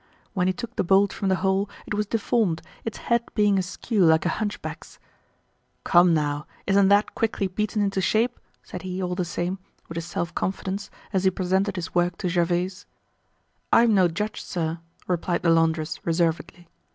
When he took the bolt from the hole, it was deformed, its head being askew like a hunchback's. "Come now! Isn't that quickly beaten into shape?" said he all the same, with his self confidence, as he presented his work to Gervaise. "I'm no judge, sir," replied the laundress, reservedly.